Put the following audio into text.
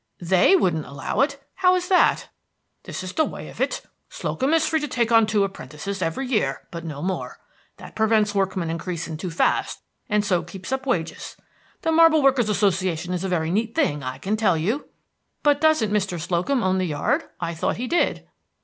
"They wouldn't allow it! How is that?" "This the way of it. Slocum is free to take on two apprentices every year, but no more. That prevents workmen increasing too fast, and so keeps up wages. The Marble Workers' Association is a very neat thing, I can tell you." "But doesn't Mr. Slocum own the yard? I thought he did."